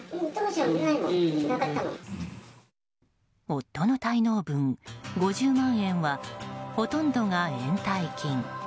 夫の滞納分５０万円はほとんどが延滞金。